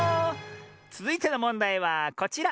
つづいてのもんだいはこちら！